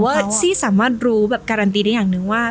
ซี่สามารถรู้แบบการันตีได้อย่างหนึ่งว่า